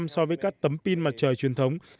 so với các tấm pin mặt trời truyền thống